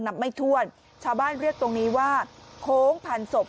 นับไม่ถ้วนชาวบ้านเรียกตรงนี้ว่าโค้งพันศพ